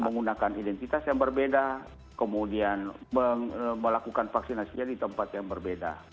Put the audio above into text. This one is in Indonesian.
menggunakan identitas yang berbeda kemudian melakukan vaksinasinya di tempat yang berbeda